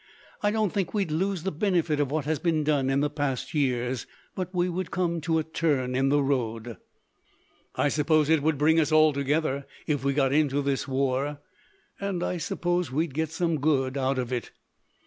I don't think we'd lose the benefit of what has been done in the past years, but we would come to a turn in the road. "I suppose it would bring us all together, if we got into this war, and I suppose we'd get some good out of it.